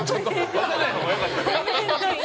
出さないほうがよかったね。